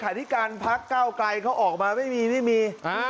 ที่การพักเก้าไกลเขาออกมาไม่มีไม่มี